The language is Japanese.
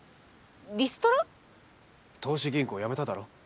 投資銀行辞めただろ。